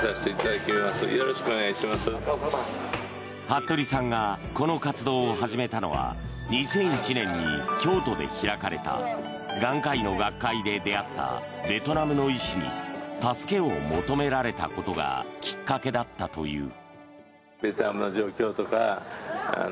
服部さんがこの活動を始めたのは２００１年に京都で開かれた眼科医の学会で出会ったベトナムの医師に助けを求められたことがきっかけだったという。